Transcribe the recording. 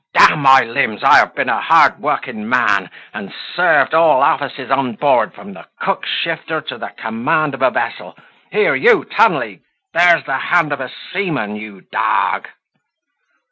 D my limbs! I have been a hard working man, and served all offices on board from cook's shifter to the command of a vessel. Here, you Tunley, there's the hand of a seaman, you dog."